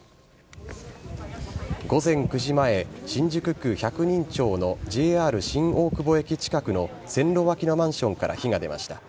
午前９時前新宿区百人町のＪＲ新大久保駅近くの線路脇のマンションから火が出ました。